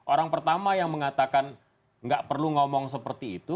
orang pertama yang mengatakan nggak perlu ngomong seperti itu